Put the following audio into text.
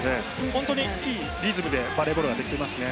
本当に、いいリズムでバレーボールができていますね。